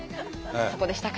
そこでしたか。